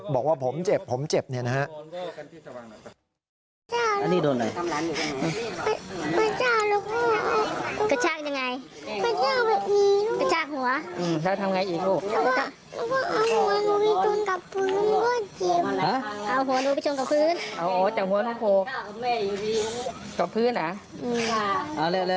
บอกว่าผมเจ็บผมเจ็บเนี่ยนะฮะ